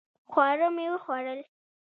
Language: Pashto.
خواړه مې وخوړل